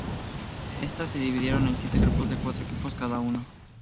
Estas se dividieron en siete grupos de cuatro equipos cada uno.